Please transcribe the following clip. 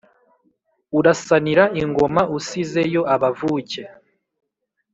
Urasanira ingoma usize yo abavuke